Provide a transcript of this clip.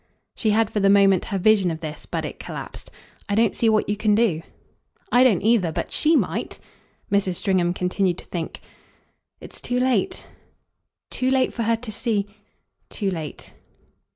She had for the moment her vision of this, but it collapsed. "I don't see what you can do." "I don't either. But SHE might." Mrs. Stringham continued to think. "It's too late." "Too late for her to see ?" "Too late."